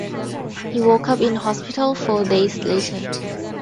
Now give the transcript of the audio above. He woke up in hospital four days later.